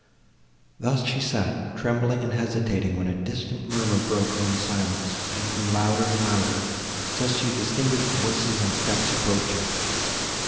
Thus she sat, trembling and hesitating, when a distant murmur broke on the silence, and grew louder and louder, till she distinguished voices and steps approaching.